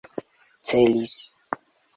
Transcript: celis